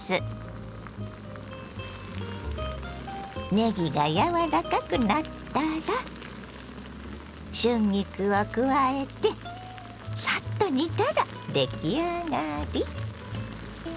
ねぎが柔らかくなったら春菊を加えてサッと煮たら出来上がり！